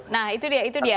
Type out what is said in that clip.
nah itu dia itu dia